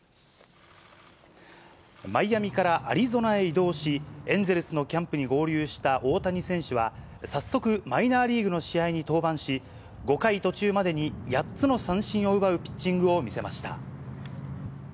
マイアミからアリゾナへ移動し、エンゼルスのキャンプに合流した大谷選手は、早速、マイナーリーグの試合に登板し、５回途中までに８つの三振を奪うピッチングを見せました。